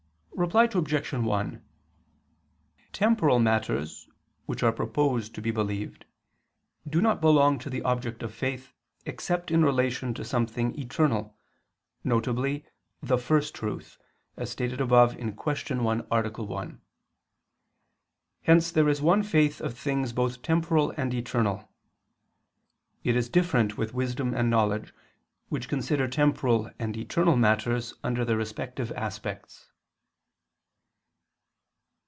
Reply Obj. 1: Temporal matters which are proposed to be believed, do not belong to the object of faith, except in relation to something eternal, viz. the First Truth, as stated above (Q. 1, A. 1). Hence there is one faith of things both temporal and eternal. It is different with wisdom and knowledge, which consider temporal and eternal matters under their respective aspects.